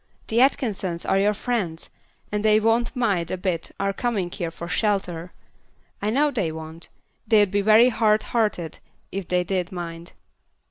The Atkinsons are your friends, and they won't mind a bit our coming here for shelter. I know they won't. They'd be very hard hearted if they did mind."